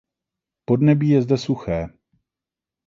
Podnebí je zde suché.